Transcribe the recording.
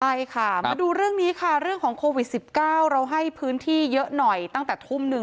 ใช่ค่ะมาดูเรื่องนี้ค่ะเรื่องของโควิด๑๙เราให้พื้นที่เยอะหน่อยตั้งแต่ทุ่มหนึ่ง